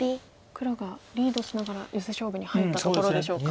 黒がリードしながらヨセ勝負に入ったところでしょうか。